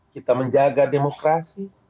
kita menjaga demokrasi